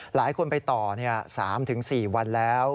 หลายคนไปต่อ๓๔วันแล้ว